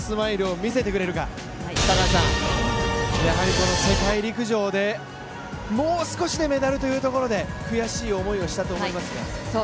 この世界陸上で、もう少しでメダルというところで悔しい思いをしたと思いますが？